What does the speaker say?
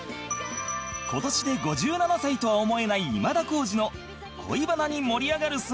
今年で５７歳とは思えない今田耕司の恋バナに盛り上がる姿が明らかに